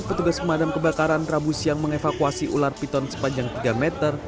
petugas pemadam kebakaran rabu siang mengevakuasi ular piton sepanjang tiga meter